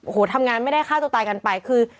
โอ้โหทำงานไม่ได้ฆ่าตัวตายกันไปคือ